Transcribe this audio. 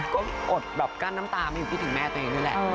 ก็อดแบบกั้นน้ำตาไม่อยู่คิดถึงแม่ตัวเองด้วยแหละ